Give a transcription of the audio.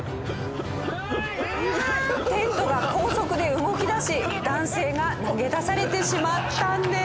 テントが高速で動きだし男性が投げ出されてしまったんです。